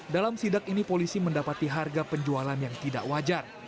dalam sidak ini polisi mendapati harga penjualan yang tidak wajar